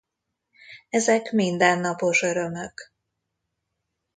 Ezek mindennapos örömök.